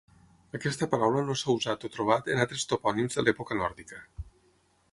Aquesta paraula no s'ha usat o trobat en altres topònims de l'època nòrdica.